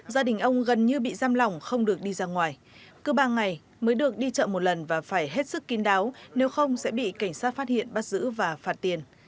gia đình ông gần như bị giam lỏng không được đi ra ngoài cứ ba ngày mới được đi chợ một lần và phải hết sức kín đáo nếu không sẽ bị cảnh sát phát hiện bắt giữ và phạt tiền